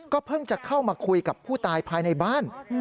เพิ่งจะเข้ามาคุยกับผู้ตายภายในบ้าน